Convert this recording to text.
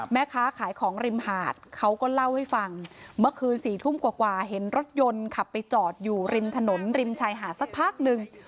แม่ค้าขายของริมหาดเขาก็เล่าให้ฟังเมื่อคืน๔ทุ่มกว่าเห็นรถยนต์ขับไปจอดอยู่ริมถนนริมชายหาดสักพักนึง